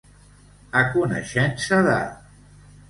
A coneixença de.